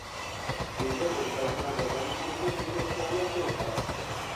নিজের পরিকল্পনা বদলানো সম্বন্ধে তুমি দেখছি আমার চেয়েও খারাপ।